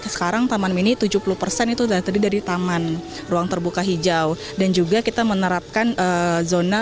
sekarang taman mini tujuh puluh itu dari tadi dari taman ruang terbuka hijau dan juga kita menerapkan zona